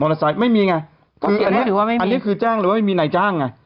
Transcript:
มอเตอร์ไซค์ไม่มีไงอันนี้คือจ้างหรือไม่มีในจ้างไง